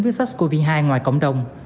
với sars cov hai ngoài cộng đồng